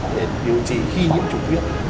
để điều trị khi nhiễm chủng viên